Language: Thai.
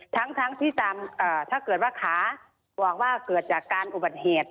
ทั้งที่ถ้าเกิดว่าขาบอกว่าเกิดจากการอุบัติเหตุ